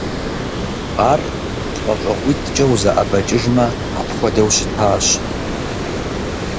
Ар лӀэщӀыгъуитӀкӀэ узэӀэбэкӀыжмэ апхуэдэу щытащ.